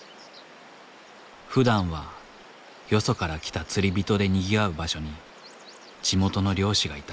ふだんはよそから来た釣り人でにぎわう場所に地元の漁師がいた。